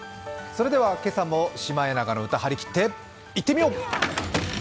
それでは今朝も「シマエナガの歌」張り切っていってみよう！